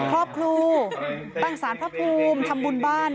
ครอบครัวตั้งสารพระภูมิทำบุญบ้าน